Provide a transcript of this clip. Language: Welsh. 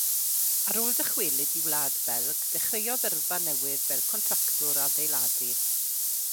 Ar ôl dychwelyd i Wlad Belg dechreuodd yrfa newydd fel contractwr adeiladu.